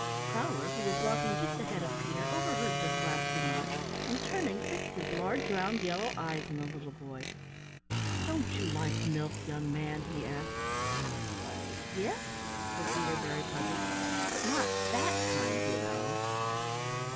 Prowler, who was walking just ahead of Peter, overheard this last remark, and turning, fixed his large, round, yellow eyes on the little boy. "Don't you like milk, young man?" he asked. "Why, yes," said Peter, very puzzled, "but not that kind, you know."